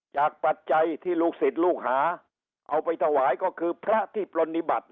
ปัจจัยที่ลูกศิษย์ลูกหาเอาไปถวายก็คือพระที่ปรณิบัติ